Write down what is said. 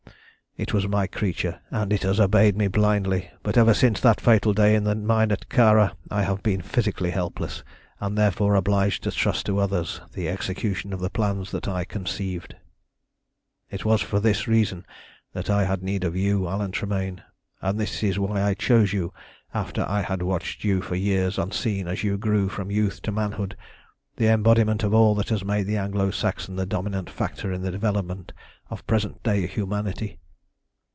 It was my creature, and it has obeyed me blindly; but ever since that fatal day in the mine at Kara I have been physically helpless, and therefore obliged to trust to others the execution of the plans that I conceived. "It was for this reason that I had need of you, Alan Tremayne, and this is why I chose you after I had watched you for years unseen as you grew from youth to manhood, the embodiment of all that has made the Anglo Saxon the dominant factor in the development of present day humanity.